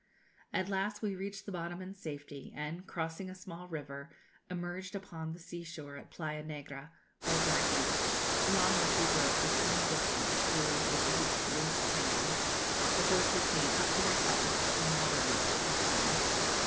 At last we reached the bottom in safety, and, crossing a small river, emerged upon the sea shore at Playa Negra, or Black Beach, along which we drove for some distance through the deep, loose sand, the horses being up to their fetlocks in water most of the time.